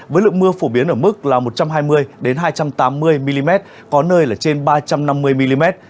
với lượng mưa phổ biến ở mức là một trăm hai mươi hai trăm tám mươi mm có nơi là trên ba trăm năm mươi mm